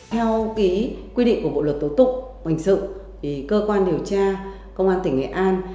theo ký quy định của bộ luật tổ tục hoành sự cơ quan điều tra công an tỉnh nghệ an